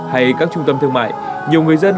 hay các trung tâm thương mại nhiều người dân